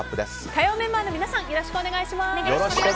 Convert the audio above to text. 火曜メンバーの皆さんよろしくお願いします。